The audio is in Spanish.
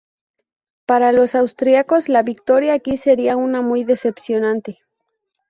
Para los austriacos, la victoria aquí sería una muy decepcionante.